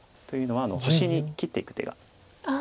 というのは星に切っていく手が。